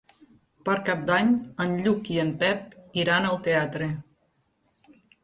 Per Cap d'Any en Lluc i en Pep iran al teatre.